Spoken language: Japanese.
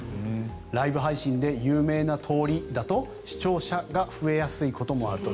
ライブ配信で有名な通りだと視聴者が増えやすいこともあると。